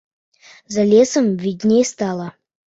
За лесам відней стала.